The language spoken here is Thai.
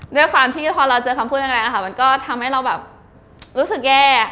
ด้วยความที่พอเราเจอคำพูดแรงมันก็ทำให้เราแบบรู้สึกแย่